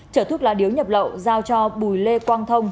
chở thuốc lá điếu nhập lậu giao cho bùi lê quang thông